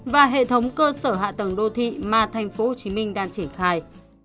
và hệ thống cơ sở hạ tầng đô thị mà thành phố hồ chí minh đang triển khai